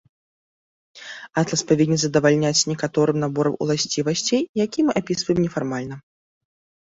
Атлас павінен задавальняць некаторым наборам уласцівасцей, які мы апісваем нефармальна.